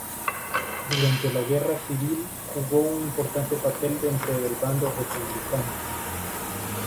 Durante la guerra civil, jugó un importante papel dentro del bando republicano.